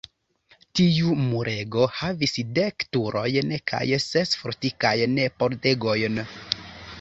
Tiu murego havis dek turojn kaj ses fortikajn pordegojn.